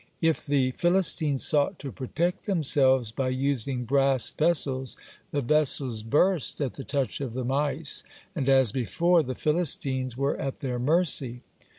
If the Philistines sought to protect themselves by using brass vessels, the vessels burst at the touch of the mice, and, as before, the Philistines were at their mercy.